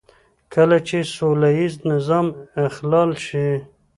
کله چې سوله ييز نظم اخلال شي.